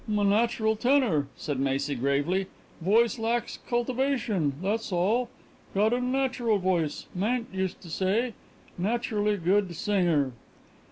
"'M a natural tenor," said Macy gravely. "Voice lacks cultivation, tha's all. Gotta natural voice, m'aunt used say. Naturally good singer."